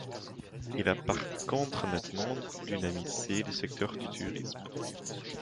Il a par contre nettement dynamisé le secteur du tourisme.